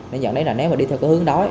nên dẫn đến là nếu mà đi theo cái hướng đó